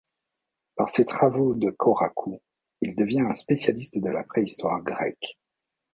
Par ses travaux de Korakou, il devient un spécialiste de la Préhistoire grecque.